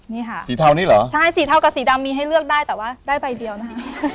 นี่ค่ะสีเทานี่เหรอใช่สีเทากับสีดำมีให้เลือกได้แต่ว่าได้ใบเดียวนะคะ